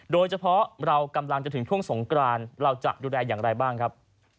โดยเฉพาะเรากำลังจะถึงช่วงสงกรานเราจะดูแลอย่างไรบ้างครับ